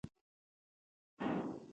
سست انسان له فرصتونو بې برخې کېږي.